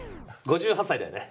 ５８さいだよね。